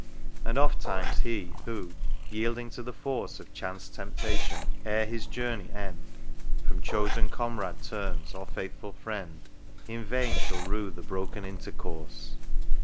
And oft times he, who, yielding to the force Of chance temptation, ere his journey end, From chosen comrade turns, or faithful friend, In vain shall rue the broken intercourse.